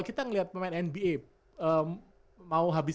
kita ngeliat pemain nba mau habis